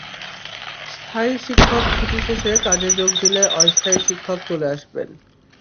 স্থায়ী শিক্ষক ছুটি শেষে কাজে যোগ দিলে অস্থায়ী শিক্ষক চলে আসবেন।